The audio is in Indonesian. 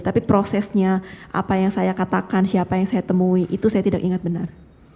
tapi prosesnya apa yang saya katakan siapa yang saya temui itu saya tidak ingat benar